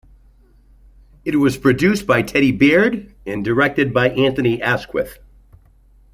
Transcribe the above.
It was produced by Teddy Baird and directed by Anthony Asquith.